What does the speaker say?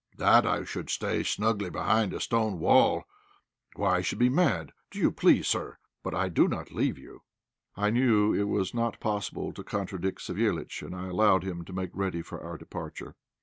That I should stay snugly behind a stone wall! Why, I should be mad! Do as you please, sir, but I do not leave you." I well knew it was not possible to contradict Savéliitch, and I allowed him to make ready for our departure.